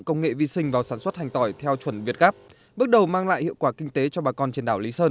sử dụng phân hữu cơ vi sinh vào sản xuất hành tỏi theo chuẩn việt gáp bước đầu mang lại hiệu quả kinh tế cho bà con trên đảo lý sơn